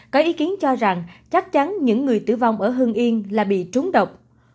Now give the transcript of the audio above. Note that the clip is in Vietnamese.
có ý kiến cho rằng chắc chắn những người tử vong ở hưng yên là bị trúng độc